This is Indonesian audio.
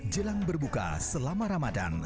jelang berbuka selama ramadhan